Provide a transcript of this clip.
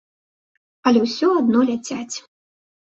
Але ўсё адно ляцяць.